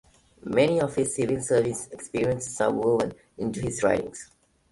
Many of his civil service experiences are woven into his writings.